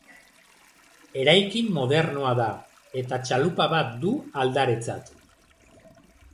Eraikin modernoa da, eta txalupa bat du aldaretzat.